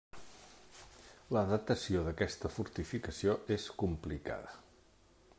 La datació d'aquesta fortificació és complicada.